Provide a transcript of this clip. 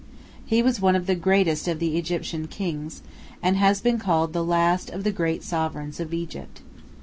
He was one of the greatest of the Egyptian kings, and has been called the "last of the great sovereigns of Egypt."